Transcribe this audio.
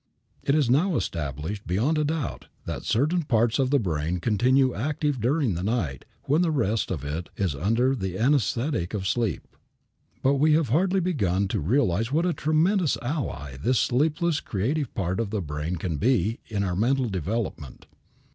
It is now established beyond a doubt that certain parts of the brain continue active during the night when the rest of it is under the anesthetic of sleep. But we have hardly begun to realize what a tremendous ally this sleepless creative part of the brain can be made in our mental development.